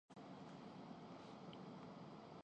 street lights خوا